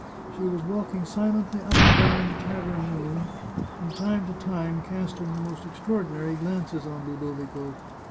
She was walking silently up and down the tavern room, 412 The Chartreuse of Parma from time to time casting the most extraordinary glances on Ludovico.